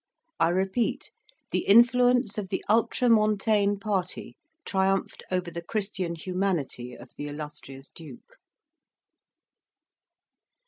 I repeat, the influence of the ultra montane party triumphed over the Christian humanity of the illustrious Duke.